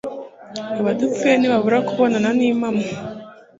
Abadapfuye ntibabura kubonana nimpamo